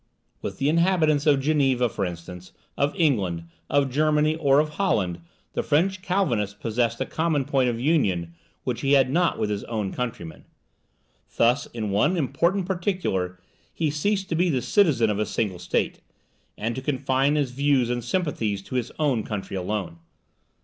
With the inhabitants of Geneva, for instance, of England, of Germany, or of Holland, the French Calvinist possessed a common point of union which he had not with his own countrymen. Thus, in one important particular, he ceased to be the citizen of a single state, and to confine his views and sympathies to his own country alone.